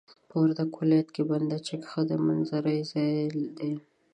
په وردګ ولايت کي بند چک ښه د منظرې ځاي دي.